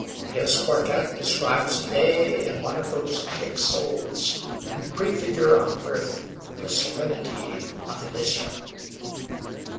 His quartette describes a day in one of those Attic souls who prefigure on earth the serenity of Elysium.